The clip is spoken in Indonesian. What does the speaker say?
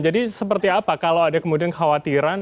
jadi seperti apa kalau ada kemudian khawatiran